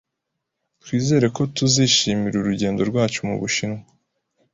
Twizere ko tuzishimira urugendo rwacu mu Bushinwa.